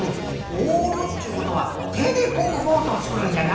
オールっちゅうことはてでこぐボートをつくるんじゃな？